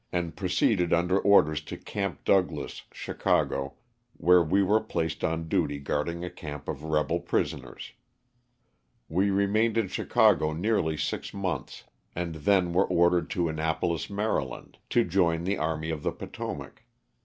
and proceeded under orders to " Camp Douglass," Chicago, where we were placed on duty guarding a camp of rebel prisoners. We remained in Chicago nearly six months and then were ordered to Annapolis, Md., to join the Army of the Potomac.